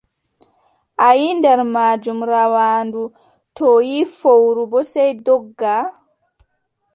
A yiʼi nder maajum, rawaandu too yiʼi fowru boo, sey dogga.